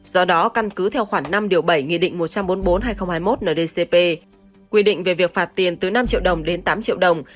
do đó căn cứ theo khoảng năm bảy nghị định một trăm bốn mươi bốn hai nghìn hai mươi một ndcp quy định về việc phạt tiền từ năm triệu đồng đến tám triệu đồng